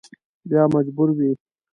بیا مجبور وي.